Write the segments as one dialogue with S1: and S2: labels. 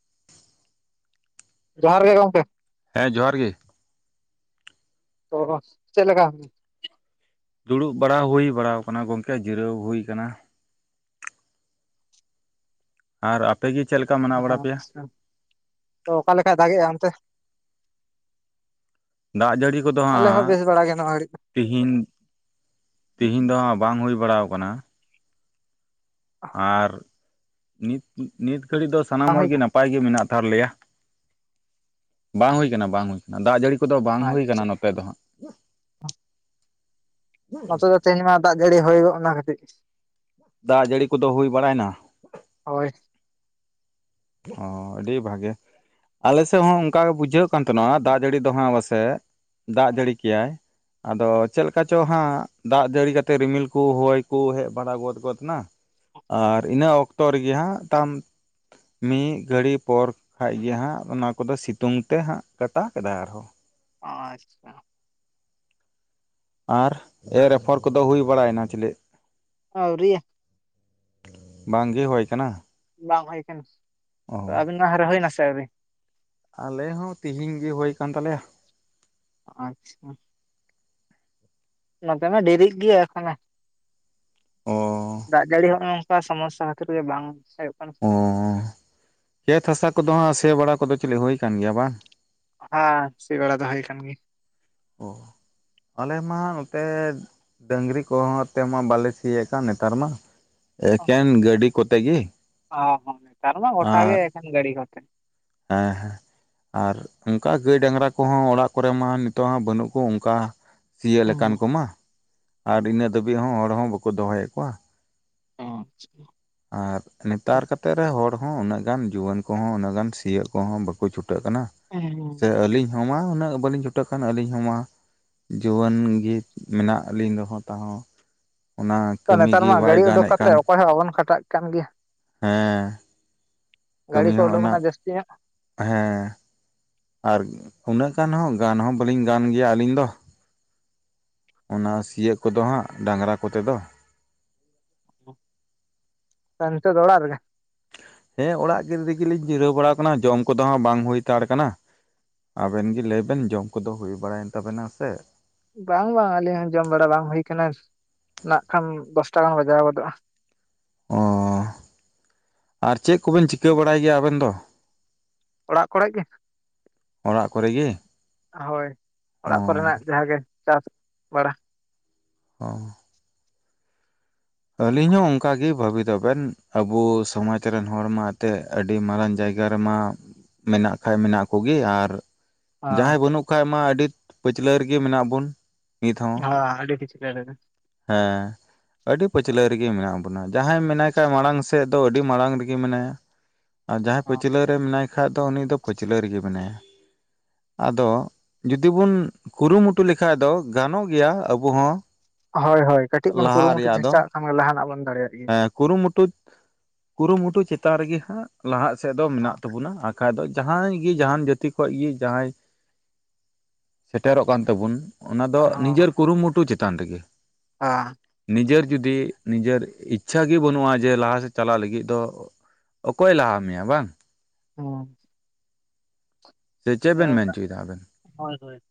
S1: [inaudible] [inaudible]
S2: ᱡᱚᱦᱟᱨ ᱜᱮ ᱜᱚᱢᱠᱮ,
S1: ᱦᱮᱸ ᱡᱚᱦᱟᱨ ᱜᱤ᱾
S2: ᱪᱮᱞᱠᱟ, ᱪᱮᱜ ᱞᱮᱠᱟ
S1: ᱫᱩᱲᱩᱵ ᱵᱟᱲᱟ ᱦᱩᱭ ᱵᱟᱲᱟ ᱟᱠᱟᱱᱟ ᱜᱚᱢᱠᱮ ᱡᱤᱨᱟᱹᱣ ᱦᱩᱭ ᱠᱟᱱᱟ᱾ ᱟᱨ ᱟᱯ ᱯᱮ ᱜᱤ ᱪᱮᱜ ᱞᱮᱠᱟ ᱢᱮᱱᱟᱜ ᱵᱟᱲᱟ ᱯᱮᱭᱟ
S2: ᱟᱪᱪᱷᱟ, ᱛᱚ ᱚᱠᱟ ᱞᱮᱠᱟᱭ ᱫᱟᱜᱮᱼᱟ ᱚᱱᱛᱮ?
S1: ᱫᱟᱜ ᱡᱟᱹᱲᱤ ᱠᱚᱫᱚ
S2: ᱟᱞᱮ ᱦᱚᱸ
S1: ᱦᱟᱸᱜ
S2: ᱵᱮᱥ ᱵᱟᱲᱟ ᱜᱮ ᱱᱚᱣᱟ ᱜᱷᱟᱹᱲᱤᱡ ᱫᱚ
S1: ᱛᱤᱦᱤᱧ, ᱛᱤᱦᱤᱧ ᱫᱚ ᱦᱟᱸᱜ ᱵᱟᱝ ᱦᱩᱭ ᱵᱟᱲᱟᱣ ᱠᱟᱱᱟ᱾ ᱟᱨ ᱱᱤᱛ ᱱᱤ-ᱱᱤᱛ ᱜᱷᱟᱹᱲᱤ ᱫᱚ ᱥᱟᱱᱟᱢ
S2: ᱵᱟᱝ
S1: ᱦᱚᱲ
S2: ᱦᱩᱭ
S1: ᱜᱮ
S2: ᱟᱠᱟᱱᱟ
S1: ᱱᱟᱯ ᱯᱟᱭ ᱜᱮ ᱢᱮᱱᱟᱜ ᱟᱠᱟᱫ ᱞᱮᱭᱟ, ᱵᱟᱝ ᱦᱩᱭ ᱠᱟᱱᱟ ᱵᱟᱝ ᱦᱩᱭ᱾ ᱫᱟᱜ ᱡᱟᱹᱲᱤ ᱠᱚᱫᱚ ᱵᱟᱝ ᱦᱩᱭ ᱠᱟᱱᱟ
S2: ᱟᱪᱪᱷᱟ
S1: ᱠᱟᱱᱟ ᱱᱚᱛᱮ ᱫᱚ ᱦᱟᱸᱜ᱾
S2: ᱱᱚᱛᱮ ᱫᱚ ᱛᱮᱦᱮᱧ ᱢᱟ ᱫᱟᱜ ᱡᱟᱹᱲᱤ ᱦᱩᱭ ᱜᱚᱜ ᱱᱟ ᱠᱟᱹᱴᱤᱡ ᱾
S1: ᱫᱟᱜ ᱡᱟᱹᱲᱤ ᱠᱚᱫᱚ ᱦᱩᱭ ᱵᱟᱲᱟᱭᱱᱟ᱾
S2: ᱦᱳᱭ᱾
S1: ᱦᱚᱸ ᱟᱹᱰᱤ ᱵᱷᱟᱜᱮ᱾ ᱟᱞᱮ ᱥᱮᱜ ᱦᱚᱸ ᱚᱱᱠᱟ ᱜᱮ ᱵᱩᱡᱷᱟᱹᱜ ᱠᱟᱱ ᱛᱟᱦᱮᱸᱱᱟ ᱫᱟᱜ ᱡᱟᱹᱲᱤ ᱫᱚ ᱦᱟᱸᱜ ᱵᱟᱥᱮᱜ ᱫᱟᱜ ᱡᱟᱹᱲᱤ ᱠᱮᱼᱟᱭ᱾ ᱟᱫᱚ ᱪᱮᱞᱠᱟ ᱪᱚ ᱦᱟᱸᱜ ᱫᱟᱜ ᱡᱟᱹᱲᱤ ᱠᱟᱛᱮ ᱨᱤᱢᱤᱞ ᱠᱚ ᱦᱚᱭ ᱠᱚ ᱦᱮᱡ ᱵᱟᱲᱟ ᱜᱚᱫ ᱜᱚᱫ ᱱᱟ᱾ ᱟᱨ ᱤᱱᱟᱹ ᱚᱠᱛᱚ ᱨᱮᱜᱮ ᱦᱟᱸᱜ ᱛᱟᱢ ᱢᱤᱜ ᱜᱷᱟᱹᱲᱤ ᱯᱚᱨ ᱠᱷᱟᱡ ᱜᱮ ᱦᱟᱸᱜ ᱚᱱᱟ ᱠᱚᱫᱚ ᱥᱤᱛᱩᱝ ᱛᱮ ᱦᱟᱸᱜ ᱠᱟᱴᱟ ᱠᱮᱫᱟ ᱟᱨᱦᱚᱸ᱾
S2: ᱟᱪᱪᱷᱟ᱾
S1: ᱟᱨ ᱮᱨ ᱟᱯᱷᱚᱨ ᱠᱚᱫᱚ ᱦᱩᱭ ᱵᱟᱲᱟᱭᱱᱟ ᱪᱮᱞᱮᱫ?
S2: ᱟᱹᱣᱨᱤ᱾
S1: ᱵᱟᱝ ᱜᱮ ᱦᱳᱭ ᱠᱟᱱᱟ?
S2: ᱵᱟᱝ ᱦᱳᱭ ᱠᱟᱱᱟ,
S1: ᱚ
S2: ᱟᱹᱵᱤᱱᱟᱜ ᱦᱚ ᱨᱟᱹᱦᱟᱹᱭᱱᱟ ᱥᱮ ᱟᱹᱣᱨᱤ?
S1: ᱟᱞᱮ ᱦᱚᱸ ᱛᱤᱦᱤᱧ ᱜᱮ ᱦᱩᱭ ᱠᱟᱱ ᱛᱟᱞᱮᱭᱟ᱾
S2: ᱟᱪᱪᱷᱟ᱾ ᱱᱚᱛᱮ ᱢᱟ ᱰᱮᱨᱤᱜ ᱜᱮᱭᱟ ᱮᱠᱷᱚᱱᱚ᱾
S1: ᱚ᱾
S2: ᱫᱟᱜ ᱡᱟᱹᱲᱤ ᱦᱚᱸᱼᱚᱝᱠᱟ ᱥᱚᱢᱚᱥᱥᱟ ᱠᱷᱟᱹᱛᱤᱨᱮ ᱵᱟᱝ ᱦᱳᱭᱳᱜ ᱠᱟᱱᱟ᱾
S1: ᱚᱸ ᱠᱷᱮᱛ ᱦᱟᱥᱟ ᱠᱚᱫᱚ ᱦᱟᱸᱜ ᱥᱮ ᱵᱟᱲᱟ ᱠᱚᱫᱚ ᱪᱮᱞᱤᱜ ᱦᱳᱭ ᱠᱟᱱ ᱜᱮᱭᱟ ᱵᱟᱝ?
S2: ᱦᱮᱸ, ᱥᱤ ᱵᱟᱲᱟ ᱫᱚ ᱦᱳᱭ ᱠᱟᱱ ᱜᱤ᱾
S1: ᱚ ᱟᱞᱮ ᱢᱟ ᱚᱛᱮᱫ ᱰᱟᱹᱝᱨᱤ ᱠᱚ ᱦᱚᱸ ᱛᱮᱢᱟ ᱵᱟᱞᱮ ᱥᱤᱭᱮ ᱠᱟᱱ ᱱᱮᱛᱟᱨ ᱢᱟ ᱮᱠᱷᱮᱱ ᱜᱟᱹᱰᱤ ᱠᱚᱛᱮ ᱜᱤ᱾
S2: ᱟ ᱦᱚ ᱱᱮᱛᱟᱨ ᱢᱟ ᱜᱚᱴᱟ ᱜᱮ ᱮᱠᱷᱮᱱ ᱜᱟᱹᱲᱤ ᱠᱚᱛᱮ᱾
S1: ᱦᱮᱸ ᱦᱮ᱾ ᱟᱨ ᱚᱝᱠᱟ ᱜᱟᱹᱭ ᱰᱟᱝᱨᱟ ᱠᱚᱦᱚᱸ ᱚᱲᱟᱜ ᱠᱚᱨᱮ ᱢᱟ ᱱᱤᱛᱚᱜ ᱦᱟᱸ ᱵᱟᱹᱱᱩᱜ ᱠᱚ ᱚᱝᱠᱟ᱾ ᱥᱤᱭᱟᱹᱜ
S2: ᱦᱩᱸ
S1: ᱞᱮᱠᱟᱱ ᱠᱚᱢᱟ, ᱟᱨ ᱤᱱᱟᱹ ᱫᱷᱟᱹᱵᱤᱡ ᱦᱚᱸ ᱦᱚᱲ ᱦᱚᱸ ᱵᱟᱠᱩ ᱫᱚᱦᱚᱭᱮᱜ ᱠᱚᱣᱟ᱾
S2: ᱟᱸᱪᱪᱷᱟ᱾
S1: ᱟᱨ ᱱᱮᱛᱟᱨ ᱠᱟᱛᱮᱜ ᱨᱮ ᱦᱚᱲ ᱦᱚᱸ ᱩᱱᱟᱹᱜ ᱜᱟᱱ ᱡᱩᱣᱟᱹᱱ ᱠᱚᱦᱚᱸ ᱩᱱᱟᱹᱜ ᱜᱟᱱ ᱥᱤᱭᱚᱜ ᱠᱚᱦᱚᱸ ᱵᱟᱠᱩ ᱪᱷᱩᱴᱟᱹᱜ ᱠᱟᱱᱟ᱾
S2: [unintelligible]
S1: ᱪᱮ ᱟᱹᱞᱤᱧ ᱦᱚᱸᱢᱟ ᱩᱱᱟᱹᱜ ᱵᱟᱞᱤᱧ ᱪᱷᱩᱴᱟᱹᱜ ᱠᱟᱱ ᱟᱹᱞᱤᱧ ᱦᱚᱸᱢᱟ᱾ ᱡᱩᱣᱟᱹᱱ ᱜᱮ ᱢᱮᱱᱟᱜ ᱞᱤᱧ ᱨᱮᱦᱚᱸ ᱛᱟᱦᱚᱸ᱾ ᱚᱱᱟ
S2: ᱛᱚ
S1: ᱠᱟᱹᱢᱤ
S2: ᱱᱮᱛᱟᱨ
S1: ᱜᱮ
S2: ᱢᱟ
S1: ᱵᱟᱭ
S2: ᱜᱟᱹᱲᱤ ᱩᱰᱩᱜ
S1: ᱜᱟᱱᱮᱫ
S2: ᱠᱟᱛᱮᱜ
S1: ᱠᱟᱱ
S2: ᱚᱠᱚᱭ ᱦᱚᱸ ᱵᱟᱵᱚᱱ ᱠᱷᱟᱴᱟᱜ ᱠᱟᱱ ᱜᱮᱭᱟ᱾
S1: ᱦᱮᱸ,
S2: ᱜᱟᱹᱰᱤ
S1: ᱠᱟᱹᱢᱤ
S2: ᱠᱚ
S1: ᱦᱚᱸ
S2: ᱩᱰᱩᱠ ᱮᱱᱟ
S1: ᱚᱱᱟᱜ
S2: ᱡᱟᱹᱥᱛᱤ ᱧᱚᱜ
S1: ᱦᱮᱸ, ᱟᱨ ᱩᱱᱟᱹᱜ ᱜᱟᱱ ᱦᱚᱸ ᱜᱟᱱ ᱦᱚᱸ ᱵᱟᱹᱞᱤᱧ ᱜᱟᱱ ᱜᱮᱭᱟ ᱟᱹᱞᱤᱧ ᱫᱚ᱾ ᱚᱱᱟ ᱥᱤᱭᱚᱜ ᱠᱚᱫᱚ ᱦᱟᱸᱜ ᱰᱟᱝᱨᱟ ᱠᱚᱛᱮ ᱫᱚ᱾
S2: ᱠᱟ ᱱᱤᱛᱚᱜ ᱫᱚ ᱚᱲᱟᱜ ᱨᱮᱜᱮ?
S1: ᱦᱮᱸ, ᱚᱲᱟᱜ ᱜᱤ ᱨᱤᱜᱤᱞᱤᱧ ᱡᱤᱨᱟᱹᱣ ᱵᱟᱲᱟᱣ ᱠᱟᱱᱟ ᱡᱚᱢ ᱠᱚᱫᱚ ᱦᱟᱸ ᱵᱟᱝ ᱦᱩᱭ ᱛᱟᱲ ᱠᱟᱱᱟ᱾ ᱟᱵᱮᱱ ᱜᱮ ᱞᱟᱹᱭᱵᱮᱱ ᱡᱚᱢ ᱠᱚᱫᱚ ᱦᱩᱭ ᱵᱟᱲᱟᱭᱮᱱ ᱛᱟᱵᱮᱱᱟ ᱥᱮ᱾
S2: ᱵᱟᱝ, ᱵᱟᱝ, ᱟᱹᱞᱤᱧ ᱦᱚᱸ ᱡᱚᱢ ᱵᱟᱲᱟ ᱵᱟᱝ ᱦᱩᱭ ᱠᱟᱱᱟ, ᱱᱟᱜ ᱠᱷᱟᱱ ᱫᱚᱥᱴᱟ ᱜᱟᱱ ᱵᱟᱡᱟᱣ ᱜᱚᱫᱚᱜᱼᱟ᱾
S1: ᱚ ᱟᱨ ᱪᱮᱫ ᱠᱚᱵᱮᱱ ᱪᱤᱠᱟᱹ ᱵᱟᱲᱟᱭ ᱜᱮᱭᱟ ᱟᱵᱮᱱ ᱫᱚ?
S2: ᱚᱲᱟᱜ ᱠᱚᱨᱮᱜ ᱜᱮ ᱾
S1: ᱚᱲᱟᱜ ᱠᱚᱨᱮ ᱜᱮ ᱾
S2: ᱦᱳᱭ ᱚᱲᱟᱜ ᱠᱚᱨᱮᱱᱟᱜ ᱡᱟᱦᱟᱸ ᱜᱮ ᱪᱟᱥ ᱵᱟᱲᱟ ᱾
S1: ᱚ ᱾ ᱟᱹᱞᱤᱧ ᱦᱚᱸ ᱚᱱᱠᱟ ᱜᱮ ᱵᱷᱟᱹᱵᱤᱛᱚᱜ ᱵᱮᱱ ᱾ ᱟᱵᱚ ᱥᱚᱢᱟᱡᱽ ᱨᱮᱱ ᱦᱚᱲᱢᱟ ᱮᱛᱮᱫ ᱟᱹᱰᱤ ᱢᱟᱨᱟᱝ ᱡᱟᱭᱜᱟ ᱨᱮᱢᱟ ᱢᱮᱱᱟᱜ ᱠᱷᱟᱡ ᱢᱮᱱᱟᱜ ᱠᱚᱜᱮ ᱟᱨ
S2: ᱦᱚᱸ
S1: ᱡᱟᱦᱟᱸᱭ ᱵᱟᱹᱱᱩᱜ ᱠᱷᱟᱡ ᱢᱟ ᱟᱹᱰᱤ ᱯᱟᱹᱪᱞᱟᱹ ᱨᱮᱜᱮ ᱢᱮᱱᱟᱜ ᱵᱚᱱ ᱾
S2: ᱦᱚᱸ ᱟᱹᱰᱤ ᱯᱤᱪᱷᱞᱟᱹ ᱨᱮᱜᱮ ᱾
S1: ᱦᱮᱸ ᱾ ᱟᱹᱰᱤ ᱯᱟᱹᱪᱷᱞᱟᱹ ᱨᱮᱜᱮ ᱢᱮᱱᱟᱜ ᱵᱚᱱᱟ ᱡᱟᱦᱟᱸᱭ ᱢᱮᱱᱟᱭ ᱠᱷᱟᱡ ᱢᱟᱲᱟᱝ ᱥᱮᱫ ᱫᱚ ᱟᱹᱰᱤ ᱢᱟᱲᱟᱝ ᱨᱮᱜᱮ ᱢᱮᱱᱟᱭᱟ ᱾ ᱟᱨ ᱡᱟᱦᱟᱸᱭ ᱯᱟᱹᱪᱞᱟᱹ ᱨᱮ ᱢᱮᱱᱟᱭ ᱠᱷᱟᱡ ᱫᱚ ᱩᱱᱤ ᱫᱚ ᱯᱟᱹᱪᱞᱟᱹ ᱨᱮᱜᱮ ᱢᱮᱱᱟᱭᱟ ᱾ ᱟᱫᱚ ᱡᱩᱫᱤ ᱵᱩᱱ ᱠᱩᱨᱩᱢᱩᱴᱩ ᱞᱮᱠᱷᱟᱡ ᱫᱚ ᱜᱟᱱᱚᱜ ᱜᱮᱭᱟ ᱟᱵᱚ ᱦᱚᱸ ᱾
S2: ᱦᱳᱭ ᱦᱳᱭ ᱠᱟᱹᱴᱤᱡ ᱵᱳᱱ ᱠᱩᱨᱩᱢᱩᱴᱩ ᱪᱮᱥᱴᱟᱣᱟᱜ ᱠᱷᱟᱱ ᱜᱮ ᱞᱟᱦᱟᱱᱟᱜ ᱵᱚᱱ ᱫᱟᱲᱮᱭᱟᱜ ᱾
S1: ᱦᱮᱸ ᱠᱩᱨᱩᱢᱩᱴᱩ ᱠᱩᱨᱩᱢᱩᱴᱩ ᱪᱮᱛᱟᱱ ᱨᱮᱜᱮ ᱦᱟᱸᱜ ᱞᱟᱦᱟᱜ ᱥᱮᱫ ᱫᱚ ᱢᱮᱱᱟᱜ
S2: ᱦᱚᱸ
S1: ᱛᱟᱵᱚᱱᱟ ᱾ ᱠᱷᱟᱡ ᱫᱚ ᱡᱟᱦᱟᱸᱭ ᱜᱮ ᱡᱟᱦᱟᱱ ᱡᱟᱹᱛᱤ ᱠᱷᱚᱱ ᱜᱮ ᱡᱟᱦᱟᱸᱭ ᱥᱮᱴᱮᱨᱚᱜ ᱠᱟᱱ ᱛᱟᱵᱚᱱ ᱚᱱᱟ ᱫᱚ ᱱᱤᱡᱮᱨ ᱠᱩᱨᱩᱢᱩᱴᱩ ᱪᱮᱛᱟᱱ ᱨᱮᱜᱮ ᱾
S2: ᱟᱸ ᱾
S1: ᱱᱤᱡᱮᱨ ᱡᱩᱫᱤ ᱱᱤᱡᱮᱨ ᱤᱪᱪᱷᱟ ᱜᱮ ᱵᱟᱹᱱᱩᱜᱼᱟ ᱡᱮ ᱞᱟᱦᱟ ᱥᱮᱫ ᱪᱟᱞᱟᱜ ᱞᱟᱹᱜᱤᱫ ᱫᱚ ᱚᱠᱚᱭᱮ ᱞᱟᱦᱟ ᱢᱮᱭᱟ ᱵᱟᱝ?
S2: ᱦᱮᱸ ᱾
S1: ᱥᱮ ᱪᱮᱫ ᱵᱮᱱ
S2: ᱦᱩᱸ
S1: ᱢᱮᱱ ᱚᱪᱚᱭ ᱫᱟ ᱟᱵᱮᱱ?
S2: ᱦᱳᱭ ᱦᱳᱭ ᱾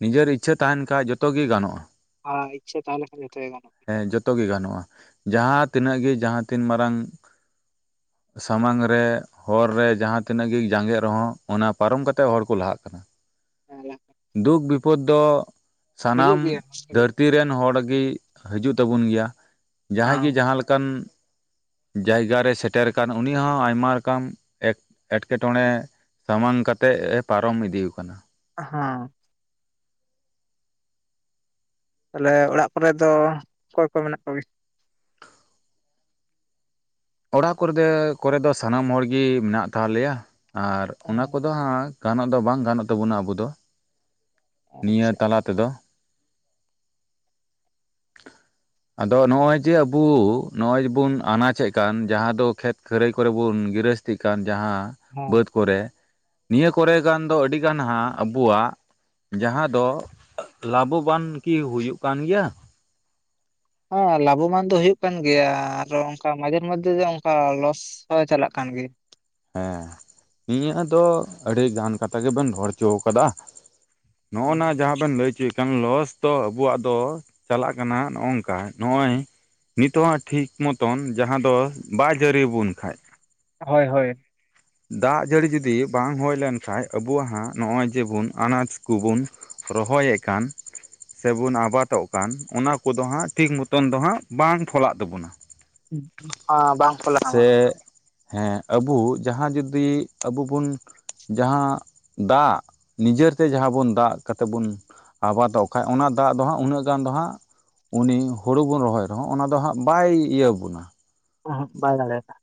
S1: ᱱᱤᱡᱮᱨ ᱤᱪᱪᱷᱟᱹ ᱛᱟᱦᱮᱱ ᱠᱷᱟᱡ ᱡᱚᱛᱚ ᱜᱮ ᱜᱟᱱᱚᱜ-ᱟ ᱾
S2: ᱦᱚ ᱤᱪᱪᱷᱟᱹ ᱛᱟᱦᱮ ᱞᱮᱠᱷᱟᱱ ᱡᱚᱛᱚ ᱜᱮ ᱜᱟᱱᱚᱜ-ᱟ ᱾
S1: ᱦᱮᱸ ᱡᱚᱛᱚ ᱜᱮ ᱜᱟᱱᱚᱜ-ᱟ ᱡᱟᱦᱟᱸ ᱛᱤᱱᱟᱹᱜ ᱜᱮ ᱡᱟᱦᱟᱸ ᱛᱤᱱ ᱢᱟᱨᱟᱝ ᱥᱟᱢᱟᱝ ᱨᱮ ᱦᱚᱨ ᱨᱮ ᱡᱟᱦᱟᱸ ᱛᱤᱱᱟᱹᱜ ᱜᱮ ᱡᱟᱸᱜᱮᱜ ᱨᱮᱦᱚᱸ ᱚᱱᱟ ᱯᱟᱨᱚᱢ ᱠᱟᱛᱮᱜ ᱦᱚᱲ ᱠᱚ ᱞᱟᱦᱟᱜ ᱠᱟᱱᱟ ᱾
S2: ᱜᱮᱭᱟ
S1: ᱫᱩᱠ ᱵᱤᱯᱚᱫ ᱫᱚ
S2: ᱦᱤᱡᱩᱜ
S1: ᱥᱟᱱᱟᱢ
S2: ᱵᱤᱱ
S1: ᱫᱷᱟᱹᱨᱛᱤ ᱨᱮᱱ ᱦᱚᱲ ᱜᱮ ᱦᱤᱡᱩᱜ ᱛᱟᱵᱚᱱ ᱜᱮᱭᱟ, ᱡᱟᱦᱟᱸᱭ
S2: ᱦᱮᱸ
S1: ᱜᱮ ᱡᱟᱦᱟᱸ ᱞᱮᱠᱟᱱ ᱡᱟᱭᱜᱟ ᱨᱮ ᱥᱮᱴᱮᱨ ᱟᱠᱟᱱ ᱩᱱᱤ ᱦᱚᱸ ᱟᱭᱢᱟ ᱨᱚᱠᱚᱢ ᱮᱴ ᱮᱸᱴᱠᱮᱴᱚᱬᱮ ᱥᱟᱢᱟᱝ ᱠᱟᱛᱮᱫ ᱮ ᱯᱟᱨᱚᱢ ᱤᱫᱤ ᱟᱠᱟᱱᱟ ᱾
S2: ᱦᱟᱸ ᱾ ᱛᱟᱦᱞᱮ ᱚᱲᱟᱜ ᱠᱚᱨᱮ ᱫᱚ ᱚᱠᱚᱭ ᱠᱚ ᱢᱮᱱᱟᱜ ᱠᱚᱜᱮ
S1: ᱚᱲᱟᱜ ᱠᱚᱨᱮ ᱫᱚ ᱠᱚᱨᱮ ᱫᱚ ᱥᱟᱱᱟᱢ ᱦᱚᱲᱜᱮ ᱢᱮᱱᱟᱜ ᱛᱟᱞᱮᱭᱟ ᱟᱨ ᱚᱱᱟ ᱠᱚᱫᱚ ᱦᱟᱸᱜ ᱜᱟᱱᱚᱜ ᱫᱚ ᱵᱟᱝ ᱜᱟᱱᱚᱜ ᱛᱟᱵᱚᱱᱟ ᱟᱵᱚ ᱫᱚ, ᱱᱤᱭᱟᱹ
S2: ᱟᱪᱪᱷᱟ
S1: ᱛᱟᱞᱟ ᱛᱮᱫᱚ ᱾
S2: [unintelligible]
S1: ᱟᱫᱚ ᱱᱚᱜ-ᱚᱭ ᱡᱮ ᱟᱵᱩ ᱱᱚᱜ-ᱚᱭ ᱡᱮᱵᱚᱱ ᱟᱱᱟᱡ ᱮᱫ ᱠᱟᱱ ᱡᱟᱦᱟᱸ ᱫᱚ ᱠᱷᱮᱛ ᱠᱷᱟᱹᱨᱟᱹᱭ ᱠᱚᱨᱮ ᱵᱚᱱ ᱜᱨᱟᱹᱥ ᱞᱟᱹᱠᱛᱤᱜ ᱠᱟᱱ ᱡᱟᱦᱟᱸ
S2: ᱦᱮᱸ
S1: ᱵᱟᱹᱫᱽ ᱠᱚᱨᱮ ᱱᱤᱭᱟᱹ ᱠᱚᱨᱮ ᱜᱟᱱ ᱫᱚ ᱟᱹᱰᱤ ᱜᱟᱱ ᱦᱟᱸᱜ ᱟᱵᱚᱣᱟᱜ ᱡᱟᱦᱟᱸ ᱫᱚ ᱞᱟᱵᱷᱚ-ᱵᱟᱱ ᱠᱤ ᱦᱩᱭᱩᱜ ᱠᱟᱱ ᱜᱮᱭᱟ?
S2: ᱦᱮᱸ ᱞᱟᱵᱷᱚ ᱢᱟᱱ ᱫᱚ ᱦᱩᱭᱩᱜ ᱠᱟᱱ ᱜᱮᱭᱟ ᱟᱨᱚ ᱚᱱᱠᱟ ᱢᱟᱡᱷᱮᱨ ᱢᱚᱫᱽᱫᱷᱮ ᱫᱚ ᱚᱱᱠᱟ ᱞᱚᱥ ᱦᱚᱸ ᱪᱟᱞᱟᱜ ᱠᱟᱱ ᱜᱮ ᱾
S1: ᱦᱮᱸ ᱱᱤᱭᱟᱹ ᱫᱚ ᱟᱹᱰᱤ ᱜᱟᱱ ᱠᱟᱛᱷᱟ ᱜᱮᱵᱮᱱ ᱨᱚᱲ ᱦᱚᱪᱚ ᱠᱟᱫᱟ ᱾ ᱱᱚᱜ-ᱚ ᱱᱟ ᱡᱟᱦᱟᱸ ᱵᱮᱱ ᱞᱟᱹᱭ ᱚᱪᱚᱭᱮᱫ ᱠᱷᱟᱱ ᱞᱚᱥ ᱫᱚ ᱟᱵᱚᱣᱟᱜ ᱫᱚ ᱪᱟᱞᱟᱜ ᱠᱟᱱᱟ ᱱᱚᱜ-ᱚᱝᱠᱟ ᱱᱚᱜ-ᱚᱭ ᱱᱤᱛᱚᱜ ᱦᱟᱸᱜ ᱴᱷᱤᱠ ᱢᱚᱛᱚᱱ ᱡᱟᱦᱟᱸ ᱫᱚ ᱵᱟᱭ ᱡᱟᱹᱨᱤ ᱵᱚᱱ ᱠᱷᱟᱡ
S2: ᱦᱳᱭ ᱦᱳᱭ ᱾
S1: ᱫᱟᱜ ᱡᱟᱹᱲᱤ ᱡᱩᱫᱤ ᱵᱟᱝ ᱦᱩᱭ ᱞᱮᱱᱠᱷᱟᱡ ᱟᱵᱚᱣᱟᱜ ᱦᱟᱸᱜ ᱱᱚᱜ-ᱚᱭ ᱡᱮᱵᱚᱱ ᱟᱱᱟᱡ ᱠᱚᱵᱚᱱ ᱨᱚᱦᱚᱭ ᱮᱫ ᱠᱟᱱ ᱥᱮᱵᱚᱱ ᱟᱵᱟᱫᱚᱜ ᱠᱟᱱ ᱚᱱᱟ ᱠᱚᱫᱚ ᱦᱟᱸᱜ ᱴᱷᱤᱠ ᱢᱚᱛᱚᱱ ᱫᱚ ᱦᱟᱸᱜ ᱵᱟᱝ ᱯᱷᱚᱞᱟᱜ ᱛᱟᱵᱚᱱᱟ,
S2: ᱦᱚᱸ ᱵᱟᱝ ᱯᱷᱞᱟᱜ
S1: ᱥᱮ ᱦᱮᱸ ᱟᱵᱩ ᱡᱟᱦᱟᱸ ᱡᱚᱫᱤ ᱟᱵᱩ ᱵᱚᱱ ᱡᱟᱦᱟᱸ ᱫᱟᱜ ᱱᱤᱡᱮᱨ ᱛᱮ ᱡᱟᱦᱟᱸ ᱵᱚᱱ ᱫᱟᱜ ᱠᱟᱛᱮᱫ ᱵᱚᱱ ᱟᱵᱟᱫᱚᱜ ᱠᱷᱟᱱ ᱚᱱᱟ ᱫᱟᱜ ᱫᱚ ᱦᱟᱸᱜ ᱩᱱᱟᱹᱜ ᱜᱟᱱ ᱫᱚ ᱦᱟᱸᱜ ᱩᱱᱤ ᱦᱩᱲᱩ ᱵᱚᱱ ᱨᱚᱦᱚᱭ ᱨᱮᱦᱚᱸ ᱚᱱᱟ ᱫᱚ ᱦᱟᱸᱜ ᱵᱟᱭ ᱤᱭᱟᱹᱵᱚᱱᱟ
S2: [inaudible] ᱵᱟᱭ ᱫᱟᱲᱮᱭᱟ-ᱟ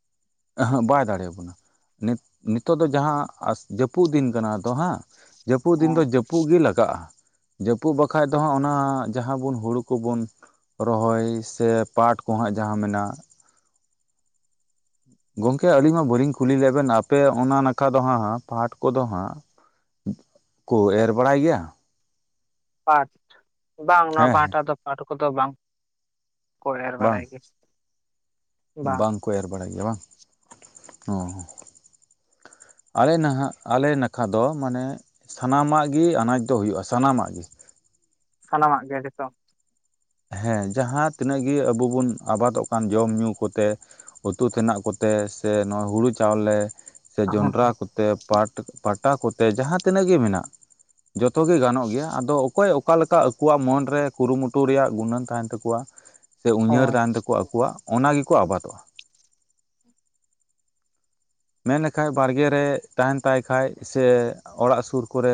S1: ᱦᱟᱸᱜ ᱵᱟᱭ ᱫᱟᱲᱮᱭᱟ ᱵᱚᱱᱟ ᱱᱤᱛᱚᱜ ᱫᱚ ᱡᱟᱦᱟᱸ ᱡᱟᱹᱯᱩᱫ ᱫᱤᱱ ᱠᱟᱱᱟ ᱛᱚ ᱦᱟᱸᱜ ᱡᱟᱹᱯᱩᱫ ᱫᱤᱱ
S2: ᱦᱮᱸ
S1: ᱫᱚ ᱡᱟᱹᱯᱩᱫ ᱜᱮ ᱞᱟᱜᱟᱜ-ᱟ, ᱡᱟᱹᱯᱩᱫ ᱵᱟᱠᱷᱟᱡ ᱫᱚ ᱦᱟᱸᱜ ᱚᱱᱟ ᱡᱟᱦᱟᱸ ᱵᱚᱱ ᱦᱩᱲᱩ ᱠᱚᱵᱚᱱ ᱨᱚᱦᱚᱭ ᱥᱮ ᱯᱟᱴ ᱠᱚ ᱦᱟᱸᱜ ᱡᱟᱦᱟᱸ ᱢᱮᱱᱟᱜ ᱜᱚᱢᱠᱮ ᱟᱹᱞᱤᱧ ᱢᱟ ᱵᱟᱹᱞᱤᱧ ᱠᱩᱞᱤ ᱞᱮᱫ ᱵᱮᱱ ᱟᱯᱮ ᱚᱱᱟ ᱱᱟᱠᱷᱟ ᱫᱚ ᱦᱟᱸᱜ ᱯᱟᱴ ᱠᱚᱫᱚ ᱦᱟᱸᱜ ᱠᱚ ᱮᱨ ᱵᱟᱲᱟᱭ ᱜᱮᱭᱟ?
S2: ᱟᱪᱪᱷᱟ ᱯᱟᱴ ᱵᱟᱝ ᱱᱚᱣᱟ
S1: ᱦᱮᱸ ᱦᱮᱸ
S2: ᱯᱟᱦᱴᱟ ᱫᱚ ᱯᱟᱴ ᱠᱚᱫᱚ ᱵᱟᱝ ᱠᱚ ᱮᱨ
S1: ᱵᱟᱝ
S2: ᱵᱟᱲᱟᱭ ᱜᱮ ᱵᱟᱝ
S1: ᱵᱟᱝᱠᱚ ᱮᱨ ᱵᱟᱲᱟᱭ ᱜᱮᱭᱟ ᱵᱟᱝ ᱚ ᱟᱞᱮ ᱱᱟᱦᱟᱜ ᱟᱞᱮ ᱱᱟᱠᱷᱟ ᱫᱚ ᱢᱟᱱᱮ ᱥᱟᱱᱟᱢᱟᱜ ᱜᱮ ᱟᱱᱟᱡᱽ ᱫᱚ ᱦᱩᱭᱩᱜ-ᱟ ᱥᱟᱱᱟᱢᱟᱜ ᱜᱮ᱾
S2: ᱥᱟᱱᱟᱢᱟᱜ ᱜᱮ ᱡᱷᱚᱛᱚ
S1: ᱦᱮᱸ ᱡᱟᱦᱟᱸ ᱛᱤᱱᱟᱹᱜ ᱜᱮ ᱟᱵᱚ ᱵᱚᱱ ᱟᱵᱟᱫᱚᱜ ᱠᱟᱱ ᱡᱚᱢ-ᱧᱩ ᱠᱚᱛᱮ ᱩᱛᱩ ᱛᱮᱱᱟᱜ ᱠᱚᱛᱮ ᱥᱮ ᱱᱚᱣᱟ ᱦᱩᱲᱩ ᱪᱟᱣᱞᱮ ᱥᱮ ᱡᱚᱱᱰᱨᱟ
S2: ᱦᱮᱸ
S1: ᱠᱚᱛᱮ ᱯᱟᱴ ᱯᱟᱴᱟ ᱠᱚᱛᱮ ᱡᱟᱦᱟᱸ ᱛᱤᱱᱟᱹᱜ ᱜᱮ ᱢᱮᱱᱟᱜ ᱡᱚᱛᱚ ᱜᱮ ᱜᱟᱱᱚᱜ ᱜᱮᱭᱟ ᱟᱫᱚ ᱚᱠᱚᱭ ᱚᱠᱟ ᱞᱮᱠᱟ ᱟᱠᱚᱣᱟᱜ ᱢᱚᱱ ᱨᱮ ᱠᱩᱨᱩᱢᱩᱴᱩ ᱨᱮᱭᱟᱜ ᱜᱩᱱᱟᱹᱱ ᱛᱟᱦᱮᱱ ᱛᱟᱠᱚᱣᱟ ᱥᱮ ᱩᱭᱦᱟᱹᱨ
S2: ᱦᱳᱭ
S1: ᱛᱟᱦᱮᱱ ᱛᱟᱠᱚᱣᱟ ᱟᱠᱚᱣᱟᱜ ᱚᱱᱟ ᱜᱮᱠᱚ ᱟᱵᱟᱫᱚᱜ-ᱟ᱾ ᱢᱮᱱ ᱞᱮᱠᱷᱟᱡ ᱵᱟᱲᱜᱮ ᱨᱮ ᱛᱟᱦᱮᱱ ᱛᱟᱭ ᱠᱷᱟᱡ ᱥᱮ ᱚᱲᱟᱜ ᱥᱩᱨ ᱠᱚᱨᱮ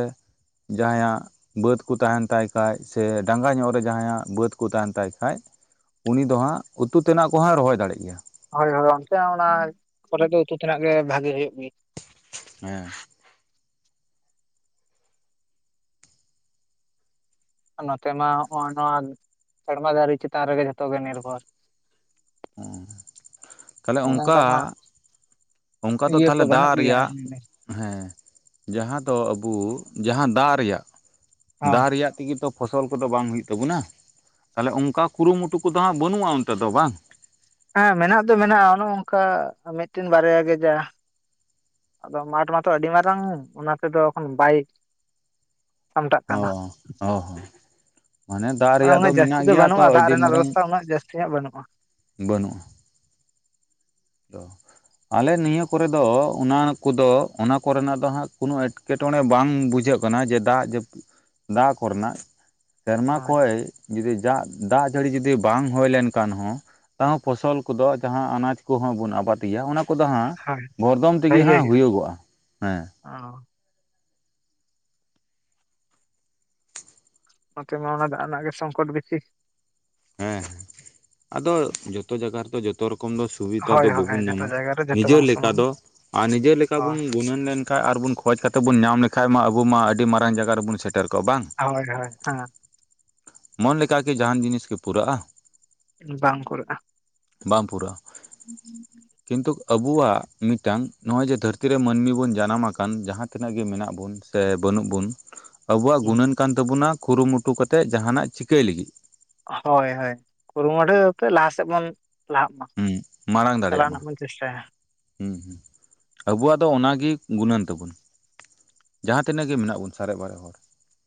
S1: ᱡᱟᱦᱟᱸᱭᱟᱜ ᱵᱟᱹᱫᱽ ᱠᱚ ᱛᱟᱦᱮᱱ ᱛᱟᱭ ᱠᱷᱟᱡ ᱥᱮ ᱰᱟᱸᱜᱟ ᱧᱚᱜ ᱨᱮ ᱡᱟᱦᱟᱸᱭᱟᱜ ᱵᱟᱹᱫ ᱠᱚ ᱛᱟᱦᱮᱱ ᱛᱟᱭ ᱠᱷᱟᱡ ᱩᱱᱤ ᱫᱚ ᱦᱟᱸᱜ ᱩᱛᱩ ᱛᱮᱱᱟᱜ ᱠᱚᱦᱟᱸ ᱨᱚᱦᱚᱭ ᱫᱟᱲᱮᱜ ᱜᱮᱭᱟ᱾
S2: ᱦᱳᱭ ᱦᱳᱭ ᱚᱱᱛᱮ ᱚᱱᱟ ᱠᱚᱨᱮ ᱫᱚ ᱩᱛᱩ ᱛᱮᱱᱟᱜ ᱜᱮ ᱵᱷᱟᱜᱤ ᱦᱩᱭᱩᱜ ᱜᱮ,
S1: ᱦᱮᱸ
S2: ᱱᱚᱛᱮ ᱢᱟ ᱱᱚᱜᱼᱚ ᱱᱚᱣᱟ ᱥᱮᱨᱢᱟ ᱡᱟᱲᱤ ᱪᱮᱛᱟᱱ ᱨᱮᱜᱮ ᱡᱷᱚᱛᱚ ᱜᱮ ᱱᱤᱨᱵᱷᱚᱨ᱾
S1: ᱛᱟᱦᱚᱞᱮ ᱚᱱᱠᱟ
S2: ᱱᱚᱝᱠᱟ ᱢᱟ
S1: ᱚᱱᱠᱟ ᱫᱚ
S2: ᱤᱭᱟᱹ ᱠᱚ
S1: ᱛᱟᱦᱚᱞᱮ
S2: ᱵᱟᱹᱱᱩᱜ
S1: ᱫᱟᱜ
S2: ᱜᱮᱭᱟ
S1: ᱨᱮᱭᱟᱜ ᱦᱮᱸ ᱡᱟᱦᱟᱸ ᱫᱚ ᱟᱵᱳ ᱡᱟᱦᱟᱸ ᱫᱟᱜ ᱨᱮᱭᱟᱜ
S2: ᱦᱳᱭ
S1: ᱫᱟᱜ ᱨᱮᱭᱟᱜ ᱛᱮᱜᱮ ᱛᱚ ᱯᱷᱚᱥᱚᱞ ᱠᱚᱫᱚ ᱵᱟᱝ ᱦᱩᱭᱩᱜ ᱛᱟᱵᱚᱱᱟ ᱛᱟᱦᱚᱞᱮ ᱚᱱᱠᱟ ᱠᱩᱨᱩᱢᱩᱴᱩ ᱠᱚᱫᱚ ᱦᱟᱸᱜ ᱵᱟᱹᱱᱩᱜᱼᱟ ᱚᱱᱛᱮ ᱫᱚ ᱵᱟᱝ?
S2: ᱦᱮᱸ ᱢᱮᱱᱟᱜ ᱫᱚ ᱢᱮᱱᱟᱜᱼᱟ ᱚᱱᱮ ᱚᱱᱠᱟ ᱢᱤᱫᱴᱤᱱ ᱵᱟᱨᱭᱟ ᱜᱮ ᱡᱟ᱾ ᱟᱫᱚ ᱢᱟᱴᱷ ᱢᱟᱛᱚ ᱟᱹᱰᱤ ᱢᱟᱨᱟᱝ ᱚᱱᱟ ᱛᱮᱫᱚ ᱚᱠᱷᱚᱱ ᱵᱟᱭ ᱥᱟᱢᱴᱟᱜ ᱠᱟᱱᱟ
S1: [unintelligible] ᱢᱟᱱᱮ ᱫᱟᱜ
S2: ᱚᱱᱮ
S1: ᱨᱮᱭᱟᱜ ᱫᱚ
S2: ᱩᱱᱟᱹᱜ ᱡᱟᱹᱥᱛᱤ
S1: ᱢᱮᱱᱟᱜ ᱜᱮᱭᱟ ᱛᱚ
S2: ᱵᱟᱹᱱᱩᱜᱼᱟ ᱫᱟᱜ
S1: ᱟᱹᱰᱤ
S2: ᱨᱮᱱᱟᱜ
S1: ᱢᱟᱨᱟᱝ
S2: ᱵᱮᱵᱚᱥᱛᱷᱟ ᱩᱱᱟᱹᱜ ᱡᱟᱹᱥᱛᱤ ᱧᱚᱜ ᱵᱟᱹᱱᱩᱜᱼᱟ
S1: ᱵᱟᱹᱱᱩᱜᱼᱟ᱾ ᱟᱞᱮ ᱱᱤᱭᱟᱹ ᱠᱚᱨᱮ ᱫᱚ ᱚᱱᱟ ᱠᱚᱫᱚ ᱚᱱᱟ ᱠᱚᱨᱮᱱᱟᱜ ᱫᱚ ᱦᱟᱸᱜ ᱠᱳᱱᱳ ᱮᱴᱠᱮᱴ ᱮᱴᱠᱮᱴᱚᱬᱮ ᱵᱟᱝ ᱵᱩᱡᱷᱟᱹᱜ ᱠᱟᱱᱟ ᱡᱮ ᱫᱟᱜ ᱡᱟᱯᱩ ᱫᱟᱜ ᱠᱚᱨᱮᱱᱟᱜ ᱫᱟᱜ ᱠᱚᱨᱮᱱᱟᱜ ᱥᱮᱨᱢᱟ ᱠᱷᱚᱡ
S2: ᱟᱪᱪᱷᱟ
S1: ᱡᱩᱫᱤ ᱡᱟᱜ ᱫᱟᱜ ᱡᱟᱹᱲᱤ ᱡᱩᱫᱤ ᱵᱟᱝ ᱦᱩᱭ‌ ᱞᱮᱱ ᱠᱷᱟᱱ ᱦᱚᱸ ᱛᱟᱣ ᱯᱷᱚᱥᱚᱞ ᱠᱚᱫᱚ ᱡᱟᱦᱟᱸ ᱟᱱᱟᱡᱽ ᱠᱚᱦᱚᱸ ᱵᱚᱱ ᱟᱵᱟᱫᱤᱭᱟ ᱚᱱᱟ ᱠᱚᱫᱚ ᱦᱟᱸᱜ
S2: ᱦᱳᱭ
S1: ᱵᱚᱨᱫᱚᱢ ᱛᱮᱜᱮ
S2: ᱵᱷᱟᱜᱤ ᱜᱮ
S1: ᱦᱟᱸᱜ
S2: ᱦᱩᱭᱩᱜᱼᱟ
S1: ᱦᱩᱭᱩᱜᱚᱜᱼᱟ ᱦᱮᱸ᱾
S2: [unintelligible] ᱱᱚᱛᱮ ᱢᱟ ᱚᱱᱟ ᱫᱟᱜ ᱨᱮᱱᱟᱜ ᱜᱮ ᱥᱚᱝᱠᱚᱴ ᱵᱮᱥᱤ᱾
S1: ᱦᱮᱸ ᱟᱫᱚ ᱡᱚᱛᱚ ᱡᱟᱭᱜᱟ ᱨᱮᱫᱚ ᱡᱚᱛᱚ ᱨᱚᱠᱚᱢ ᱫᱚ ᱥᱩᱵᱤᱛᱟ
S2: ᱦᱳᱭ
S1: ᱫᱚ
S2: ᱦᱳᱭ
S1: ᱵᱟᱵᱚᱱ
S2: ᱡᱚᱛᱚ
S1: ᱧᱟᱢᱟ
S2: ᱡᱟᱭᱜᱟ ᱨᱮ ᱡᱚᱛᱚ
S1: ᱱᱤᱡᱮ
S2: ᱵᱟᱝ
S1: ᱞᱮᱠᱟ
S2: ᱥᱚᱢᱟᱱᱟ
S1: ᱫᱚ, ᱟᱨ ᱱᱤᱡᱮ ᱞᱮᱠᱟ
S2: ᱦᱳᱭ
S1: ᱵᱚᱱ ᱜᱩᱱᱟᱹᱱ ᱞᱮᱱᱠᱷᱟᱡ ᱟᱨ ᱵᱚᱱ ᱠᱷᱚᱡᱽ ᱠᱟᱛᱮ ᱵᱚᱱ ᱧᱟᱢ ᱞᱮᱠᱷᱟᱱ ᱢᱟ ᱟᱵᱚ ᱢᱟ ᱟᱹᱰᱤ ᱢᱟᱨᱟᱝ ᱡᱟᱭᱜᱟ ᱨᱮᱵᱚᱱ ᱥᱮᱴᱮᱨ ᱠᱚᱜᱼᱟ ᱵᱟᱝ
S2: ᱦᱳᱭ ᱦᱳᱭ ᱦᱮᱸ
S1: ᱢᱚᱱ ᱞᱮᱠᱟ ᱜᱮ ᱡᱟᱦᱟᱱ ᱡᱤᱱᱤᱥ ᱠᱤ ᱯᱩᱨᱟᱹᱜᱼᱟ?
S2: ᱵᱟᱝ ᱠᱩᱲᱟᱹᱜᱼᱟ
S1: ᱵᱟᱝ ᱯᱩᱨᱟᱹᱜ-ᱟ
S2: [unintelligible]
S1: ᱠᱤᱱᱛᱩ ᱟᱵᱩᱣᱟᱜ ᱢᱤᱫᱴᱟᱝ ᱱᱚᱜᱼᱚᱭ ᱡᱮ ᱫᱷᱟᱹᱨᱛᱤ ᱨᱮ ᱢᱟᱹᱱᱢᱤ ᱵᱚᱱ ᱡᱟᱱᱟᱢ ᱟᱠᱟᱱ ᱡᱟᱦᱟ ᱛᱤᱱᱟᱹᱜ ᱜᱮ ᱢᱮᱱᱟᱜ ᱵᱚᱱ ᱥᱮ ᱵᱟᱹᱱᱩᱜ ᱵᱚᱱ
S2: [inaudible]
S1: ᱟᱵᱩᱣᱟᱜ ᱜᱩᱱᱟᱹᱱ ᱠᱟᱱ ᱛᱟᱵᱚᱱᱟ ᱠᱩᱨᱩᱢᱩᱴᱩ ᱠᱟᱛᱮᱫ ᱡᱟᱦᱟᱱᱟᱜ ᱪᱤᱠᱟᱹᱭ ᱞᱟᱹᱜᱤᱫ
S2: ᱦᱳᱭ ᱦᱳᱭ ᱠᱩᱨᱩᱢᱩᱴᱩ ᱠᱟᱛᱮᱫ ᱞᱟᱦᱟ ᱥᱮᱫ ᱵᱚᱱ ᱞᱟᱦᱟᱜ ᱢᱟ
S1: ᱦᱩᱸ ᱢᱟᱲᱟᱝ
S2: ᱪᱟᱞᱟᱣ
S1: ᱫᱟᱲᱮᱭᱟᱜ ᱢᱟ
S2: ᱨᱮᱱᱟᱜ ᱵᱚᱱ ᱪᱮᱥᱴᱟᱭᱟ
S1: ᱦᱩᱸ ᱦᱩᱸ ᱟᱵᱩᱣᱟᱜ ᱫᱚ ᱚᱱᱟᱜᱤ ᱜᱩᱱᱟᱹᱱ ᱛᱟᱵᱩᱱ᱾ ᱡᱟᱦᱟᱸ ᱛᱤᱱᱟᱹᱜ ᱜᱮ ᱢᱮᱱᱟᱜ ᱵᱚᱱ ᱥᱟᱨᱮᱡ ᱵᱟᱨᱮᱡ ᱦᱚᱲ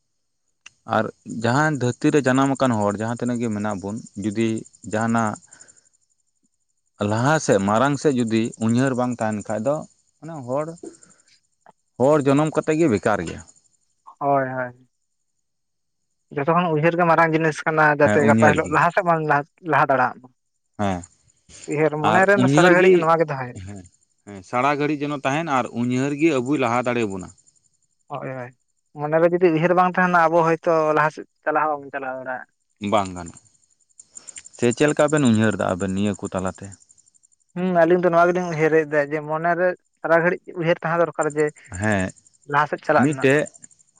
S2: [inaudible]
S1: ᱟᱨ ᱡᱟᱦᱟᱸᱭ ᱫᱷᱟᱹᱨᱛᱤ ᱨᱮ ᱡᱟᱱᱟᱢ ᱟᱠᱟᱱ ᱦᱚᱲ ᱡᱟᱦᱟᱸ ᱛᱤᱱᱟᱹᱜ ᱜᱮ ᱢᱮᱱᱟᱜ ᱵᱚᱱ ᱡᱩᱫᱤ ᱡᱟᱦᱟᱱᱟᱜᱼᱼ
S2: [inaudible]
S1: ᱞᱟᱦᱟ ᱥᱮᱫ ᱢᱟᱨᱟᱝ ᱥᱮᱫ ᱡᱩᱫᱤ ᱩᱭᱦᱟᱹᱨ ᱵᱟᱝ ᱛᱟᱦᱮᱱ ᱠᱷᱟᱡ ᱫᱚ ᱢᱟᱱᱮ ᱦᱚᱲ ᱦᱚᱲ ᱡᱚᱱᱚᱢ ᱠᱟᱛᱮᱫ ᱜᱮ ᱵᱮᱠᱟᱨ ᱜᱮᱭᱟ᱾
S2: ᱦᱳᱭ ᱦᱳᱭ᱾ ᱡᱚᱛᱚ ᱠᱷᱚᱱ ᱩᱭᱦᱟᱹᱨ ᱜᱮ ᱢᱟᱨᱟᱝ ᱡᱤᱱᱤᱥ ᱠᱟᱱᱟ
S1: ᱦᱮᱸ
S2: ᱡᱟᱛᱮ ᱜᱟᱯᱟ
S1: ᱩᱭᱦᱟᱹᱨ
S2: ᱦᱤᱞᱳᱜ
S1: ᱜᱮ
S2: ᱞᱟᱦᱟ ᱥᱮᱫ ᱵᱚᱱ ᱞᱟᱦᱟ ᱫᱟᱲᱮᱭᱟᱜ ᱢᱟ᱾
S1: ᱦᱮᱸ
S2: ᱩᱭᱦᱟᱹᱨ ᱢᱚᱱᱮ
S1: ᱟᱨ
S2: ᱨᱮ
S1: ᱩᱭᱦᱟᱹᱨ
S2: ᱥᱟᱨᱟ ᱜᱷᱟᱹᱲᱤᱡ ᱱᱚᱣᱟ ᱜᱮ ᱛᱟᱦᱮᱱᱟ᱾
S1: ᱦᱮᱸ ᱥᱟᱨᱟ ᱜᱷᱟᱹᱲᱤᱡ ᱡᱮᱱᱚ ᱛᱟᱦᱮᱱ ᱟᱨ ᱩᱭᱦᱟᱹᱨ ᱜᱮ ᱟᱵᱚᱭ ᱞᱟᱦᱟ ᱫᱟᱲᱮᱭᱟᱵᱚᱱᱟ
S2: ᱦᱳᱭ ᱦᱳᱭ ᱢᱚᱱᱮᱨᱮ ᱡᱩᱫᱤ ᱩᱭᱷᱟᱹᱨ ᱵᱟᱝ ᱛᱟᱦᱮᱱᱟ ᱟᱵᱚ ᱦᱚᱭᱛᱳ ᱞᱟᱦᱟ ᱥᱮᱫ ᱪᱟᱞᱟᱣ ᱦᱚᱸ ᱵᱟᱵᱚᱱ ᱪᱟᱞᱟᱣ ᱫᱟᱲᱮᱭᱟᱜ-ᱟ
S1: ᱵᱟᱝ ᱜᱟᱱᱚᱜ-ᱟ ᱥᱮ ᱪᱮᱫ ᱞᱮᱠᱟ ᱵᱮᱱ ᱩᱭᱦᱟᱹᱨ ᱮᱫᱟ ᱟᱵᱮᱱ ᱱᱤᱭᱟᱹ ᱠᱚ ᱛᱟᱞᱟ ᱛᱮ
S2: ᱦᱩᱸ ᱟᱞᱤᱧ ᱫᱚ ᱱᱚᱣᱟ ᱜᱮᱞᱤᱧ ᱩᱭᱦᱟᱹᱨ ᱮᱫ ᱛᱟᱦᱮᱫ ᱡᱮ ᱢᱚᱱᱮ ᱨᱮ ᱥᱟᱨᱟ ᱜᱷᱟᱹᱲᱤᱡ ᱩᱭᱦᱟᱹᱨ ᱛᱟᱦᱮᱸ ᱫᱚᱨᱠ
S1: ᱦᱮᱸ
S2: ᱨᱮᱱᱟᱜ
S1: ᱢᱤᱫᱴᱮᱜ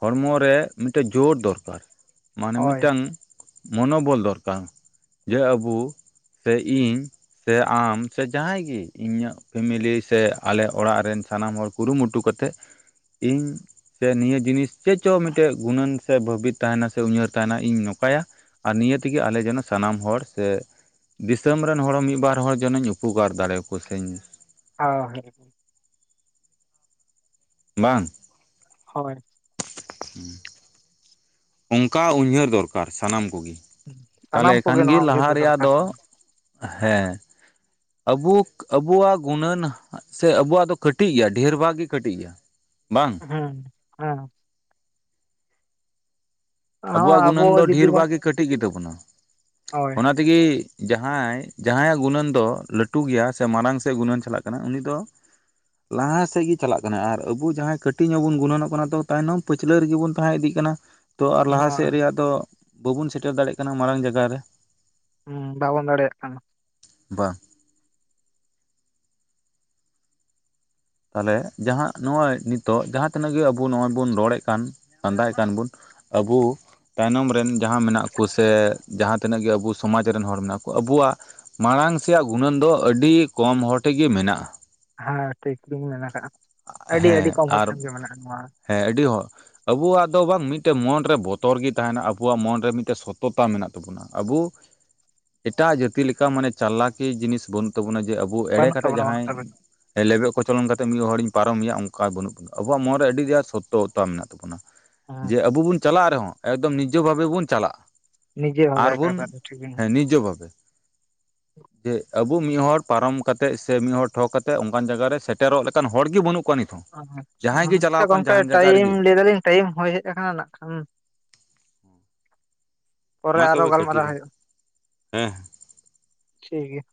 S1: ᱦᱚᱲᱢᱚ ᱨᱮ ᱢᱤᱫᱴᱟᱹᱡ ᱡᱳᱨ ᱫᱚᱨᱠᱟᱨ ᱢᱟᱱᱮ
S2: ᱦᱳᱭ
S1: ᱢᱤᱫᱴᱟᱝ ᱢᱚᱱᱳᱚᱵᱚᱞ ᱫᱚᱨᱠᱟᱨ ᱡᱮ ᱟᱵᱩ ᱥᱮ ᱤᱧ ᱥᱮ ᱟᱢ ᱥᱮ ᱡᱟᱦᱟᱸᱭ ᱜᱮ ᱤᱧᱟᱹᱜ ᱯᱷᱮᱢᱤᱞᱤ ᱥᱮ ᱟᱞᱮ ᱚᱲᱟᱜ ᱨᱮᱱ ᱥᱟᱱᱟᱢ ᱦᱚᱲ ᱠᱩᱨᱩᱢᱩᱴᱩ ᱠᱟ ᱛᱮᱜ ᱤᱧ ᱥᱮ ᱱᱤᱭᱟᱹ ᱡᱤᱱᱤᱥ ᱪᱮᱫ ᱪᱚᱝ ᱢᱤᱫᱴᱮᱜ ᱜᱩᱱᱟᱹᱱ ᱥᱮ ᱵᱷᱟᱹᱵᱤ ᱛᱟᱦᱮᱱᱟ ᱥᱮ ᱩᱭᱦᱟᱹᱨ ᱛᱟᱦᱮᱱᱟ ᱤᱧ ᱱᱚᱝᱠᱟᱭᱟ ᱟᱨ ᱱᱤᱭᱟᱹ ᱛᱮᱜᱮ ᱟᱞᱮ ᱡᱮᱱᱚ ᱥᱟᱱᱟᱢ ᱦᱚᱲ ᱥᱮ ᱫᱤᱥᱟᱹᱢ ᱨᱮᱱ ᱦᱚᱲ ᱢᱤᱜ ᱵᱟᱨ ᱦᱚᱲ ᱡᱮᱱᱮᱧ ᱩᱯᱚᱠᱟᱨ ᱫᱟᱲᱮ ᱟᱠᱚ ᱥᱮᱧ
S2: ᱟ ᱦᱮ
S1: ᱵᱟᱝ
S2: ᱦᱚᱭ
S1: ᱚᱝᱠᱟ ᱩᱭᱦᱟᱹᱨ ᱫᱚᱨᱠᱟᱨ ᱥᱟᱱᱟᱢ ᱠᱚᱜᱮ ᱛᱟᱦᱞᱮ
S2: ᱥᱟᱱᱟᱢ
S1: ᱮᱱ ᱠᱷᱟᱱ
S2: ᱠᱚᱜᱮ
S1: ᱜᱮ
S2: ᱱᱚᱣᱟ ᱩᱭᱦᱟᱹᱨ
S1: ᱞᱟᱦᱟ ᱨᱮᱭᱟᱜ
S2: ᱫᱚᱨᱠᱟᱨ
S1: ᱫᱚ
S2: ᱠᱟᱱᱟ
S1: ᱦᱮ ᱟᱵᱩ ᱟᱵᱩᱣᱟᱜ ᱜᱩᱱᱟᱹᱱ ᱥᱮ ᱟᱵᱩᱣᱟᱜ ᱫᱚ ᱠᱟᱹᱴᱤᱜ ᱜᱮᱭᱟ ᱰᱷᱮᱨ ᱵᱷᱟᱜ ᱜᱮ ᱠᱟᱹᱴᱤᱜ ᱜᱮᱭᱟ᱾ ᱵᱟᱝ
S2: ᱦᱮᱸ ᱦᱮᱸ ᱦᱚᱸ
S1: ᱟᱵᱚᱣᱟᱜ
S2: ᱟᱵᱚ
S1: ᱜᱩᱱᱟᱹᱱ ᱫᱚ
S2: ᱡᱩᱫᱤ
S1: ᱰᱷᱮᱨ
S2: ᱵᱚᱱ
S1: ᱵᱟᱷᱟᱜᱽ ᱜᱮ ᱠᱟᱹᱴᱤᱜ ᱜᱮ ᱛᱟᱵᱚᱱᱟ
S2: ᱦᱳᱭ
S1: ᱚᱱᱟ ᱛᱮᱜᱮ ᱡᱟᱦᱟᱸᱭ ᱡᱟᱦᱟᱸᱭ ᱟᱜ ᱜᱩᱱᱟᱹᱱ ᱫᱚ ᱞᱟᱹᱴᱩ ᱜᱮᱭᱟ ᱥᱮ ᱢᱟᱲᱟᱝ ᱥᱮᱜ ᱜᱩᱱᱟᱹᱱ ᱪᱟᱞᱟᱜ ᱠᱟᱱᱟ ᱩᱱᱤ ᱫᱚ ᱞᱟᱦᱟ ᱥᱮᱫ ᱜᱮ ᱪᱟᱞᱟᱜ ᱠᱟᱱᱟ ᱟᱨ ᱟᱹᱵᱩ ᱡᱟᱦᱟᱸ ᱠᱟᱹᱴᱤᱡ ᱧᱚᱜ ᱵᱚᱱ ᱜᱩᱱᱟᱹᱱᱚᱜ ᱠᱟᱱᱟ ᱛᱚ ᱛᱟᱭᱱᱚᱢ ᱯᱟᱹᱪᱷᱞᱟᱹ ᱨᱮᱜᱮ ᱵᱚᱱ ᱛᱟᱦᱮᱸ ᱤᱫᱤᱜ ᱠᱟᱱᱟ ᱛᱚ ᱟᱨ ᱞᱟᱦᱟ ᱥᱮᱜ
S2: ᱦᱚᱸ
S1: ᱨᱮᱭᱟᱜ ᱫᱚ ᱵᱟᱵᱚᱱ ᱥᱮᱴᱮᱨ ᱫᱟᱲᱮᱭᱟᱜ ᱠᱟᱱᱟ ᱢᱟᱨᱟᱝ ᱡᱟᱭᱜᱟ ᱨᱮ
S2: ᱦᱩᱸ ᱵᱟᱵᱚᱱ ᱫᱟᱲᱮᱭᱟᱜ ᱠᱟᱱᱟ᱾
S1: ᱵᱟᱝ ᱛᱟᱦᱞᱮ ᱡᱟᱦᱟᱸ ᱱᱚᱜᱼᱚᱭ ᱱᱤᱛᱚᱜ ᱡᱟᱦᱟᱸ ᱛᱤᱱᱟᱹᱜ ᱜᱮ ᱟᱵᱚ ᱱᱚᱜᱼᱚᱭ ᱵᱚᱱ ᱨᱚᱲᱮᱜ ᱠᱟᱱ ᱞᱟᱸᱫᱟᱭᱮᱜ ᱠᱟᱱ ᱵᱚᱱ ᱟᱵᱳ ᱛᱟᱭᱱᱚᱢ ᱨᱮᱱ ᱡᱟᱦᱟᱸ ᱢᱮᱱᱟᱜ ᱠᱚ ᱥᱮ ᱡᱟᱦᱟᱸ ᱛᱤᱱᱟᱹᱜ ᱜᱮ ᱟᱵᱩ ᱥᱚᱢᱟᱡᱽ ᱨᱮᱱ ᱦᱚᱲ ᱢᱮᱱᱟᱜ ᱠᱚ ᱟᱵᱩᱣᱟᱜ ᱢᱟᱲᱟᱝ ᱥᱮᱭᱟᱜ ᱜᱩᱱᱟᱹᱱ ᱫᱚ ᱟᱹᱰᱤ ᱠᱚᱢ ᱦᱚᱲ ᱴᱷᱮᱡᱼᱜᱮ ᱢᱮᱱᱟᱜᱼᱟ᱾
S2: ᱦᱮᱸ ᱴᱦᱤᱠ ᱵᱤᱱ ᱢᱮᱱ ᱟᱠᱟᱜᱼᱟ, ᱟᱹᱰᱤ ᱟᱹᱰᱤ
S1: ᱦᱮᱸ
S2: ᱠᱚᱢ ᱦᱚᱲ ᱴᱷᱮᱱ ᱜᱮ ᱢᱮᱱᱟᱜᱼᱟ ᱱᱚᱣᱟ
S1: ᱦᱮᱸ ᱟᱹᱰᱤ ᱦᱚ ᱟᱵᱩᱣᱟᱜ ᱫᱚ ᱵᱟᱝ ᱢᱤᱫ ᱴᱮᱱ ᱢᱚᱱ ᱨᱮ ᱵᱚᱛᱚᱨ ᱜᱮ ᱛᱟᱦᱮᱱᱟ, ᱟᱵᱚᱣᱟᱜ ᱢᱚᱱ ᱨᱮ ᱢᱤᱫᱴᱮᱱ ᱥᱚᱛᱚᱛᱟ ᱢᱮᱱᱟᱜ ᱛᱟᱵᱚᱱᱟ᱾ ᱟᱵᱚ ᱮᱴᱟᱜ ᱡᱟᱹᱛᱤ ᱞᱮᱠᱟ ᱢᱟᱱᱮ ᱪᱟᱞᱟᱠᱤᱭᱟᱹ ᱡᱤᱱᱤᱥ ᱵᱟᱹᱱ ᱛᱟᱵᱚᱱᱟ ᱡᱮ ᱟᱵᱚ ᱮᱲᱮ
S2: ᱵᱟᱹᱱᱩᱜ
S1: ᱠᱟᱛᱮ
S2: ᱛᱟᱵᱚᱱᱟ ᱵᱟᱹᱱᱩᱜ
S1: ᱡᱟᱦᱟᱸᱭ
S2: ᱛᱟᱵᱚᱱᱟ
S1: ᱞᱮᱵᱮᱜ ᱠᱚᱪᱚᱞᱚᱱ ᱠᱟᱛᱮ ᱢᱤᱫ ᱦᱚᱲᱤᱧ ᱯᱟᱨᱚᱢᱮᱭᱟ ᱚᱱᱠᱟ ᱵᱟᱹᱱᱩᱜ ᱵᱚᱱᱟ, ᱟᱵᱚᱣᱟᱜ ᱢᱚᱱᱨᱮ ᱟᱹᱰᱤ ᱟᱴ ᱥᱚᱛᱚᱼᱚᱛᱟ ᱢᱮᱱᱟᱜ ᱛᱟᱵᱚᱱᱟ
S2: ᱦᱮᱸ
S1: ᱡᱮ ᱟᱵᱚ ᱵᱚᱱ ᱪᱟᱞᱟᱜ ᱨᱮᱦᱚᱸ ᱮᱠᱫᱚᱢ ᱱᱤᱡᱚ ᱵᱷᱟᱵᱮ ᱵᱚᱱ ᱪᱟᱞᱟᱜᱼᱟ ᱾
S2: ᱱᱤᱡᱮ ᱵᱷᱟᱵᱮ
S1: ᱟᱨᱵᱚᱱ,
S2: ᱮᱠᱮᱵᱟᱨᱮ ᱴᱷᱤᱠᱤᱧ
S1: ᱦᱮᱸ ᱱᱤᱡᱚ ᱵᱷᱟᱵᱮ ᱾ ᱡᱮ ᱟᱵᱚ ᱢᱤᱜ ᱦᱚᱲ ᱯᱟᱨᱚᱢ ᱠᱟᱛᱮ ᱥᱮ ᱢᱤᱫ ᱦᱚᱲ ᱴᱷᱚᱠ ᱠᱟᱛᱮ ᱚᱱᱠᱟᱱ ᱡᱟᱭᱜᱟ ᱨᱮ ᱥᱮᱴᱮᱨᱚᱜ ᱞᱮᱠᱟᱱ ᱦᱚᱲ ᱜᱮ ᱵᱟᱹᱱᱩᱜ ᱠᱚᱣᱟ ᱱᱤᱛ ᱾
S2: ᱟᱪᱪᱷᱟ, ᱟᱪᱪᱷᱟ ᱜᱚᱝᱠᱮ ᱴᱟᱭᱤᱢ
S1: ᱨᱮᱜᱮ
S2: ᱞᱟᱹᱭ ᱫᱟᱞᱤᱧ ᱴᱟᱭᱤᱢ ᱦᱚᱭ ᱦᱮᱡ ᱟᱠᱟᱱᱟ ᱱᱟᱜ ᱠᱷᱟᱱ ᱾ ᱯᱚᱨᱮ
S1: ᱢᱟ
S2: ᱟᱨᱚ
S1: ᱛᱚᱵᱮ ᱠᱟᱹᱴᱤ
S2: ᱜᱟᱞᱢᱟᱨᱟᱣ
S1: ᱵᱮᱱ
S2: ᱦᱩᱭᱩᱜᱼᱟ,
S1: ᱦᱮᱸ
S2: ᱴᱷᱤᱜᱮᱭᱟ ᱾